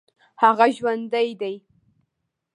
هغه جوندى دى.